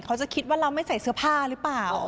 เขาจะคิดว่าเราไม่ใส่เสื้อผ้าหรือเปล่า